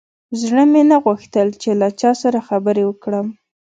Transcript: زړه مې نه غوښتل چې له چا سره خبرې وکړم.